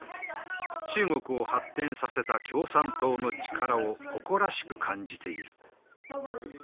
中国を発展させた共産党の力を誇らしく感じている。